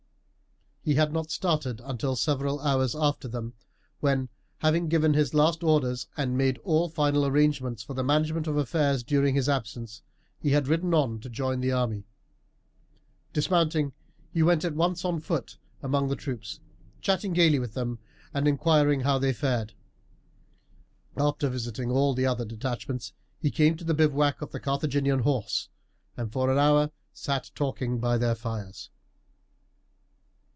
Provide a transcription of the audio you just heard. He had not started until several hours after them, when, having given his last orders and made all final arrangements for the management of affairs during his absence, he had ridden on to join the army. Dismounting, he went at once on foot among the troops, chatting gaily with them and inquiring how they fared. After visiting all the other detachments he came to the bivouac of the Carthaginian horse, and for an hour sat talking by their fires.